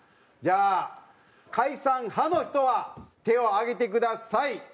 じゃあ解散派の人は手を上げてください。